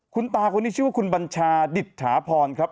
คุณตาคนนี้ชื่อว่าคุณบัญชาดิตถาพรครับ